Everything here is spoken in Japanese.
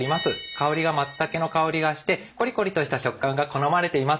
香りがまつたけの香りがしてコリコリとした食感が好まれています。